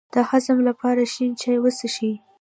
د هضم لپاره شین چای وڅښئ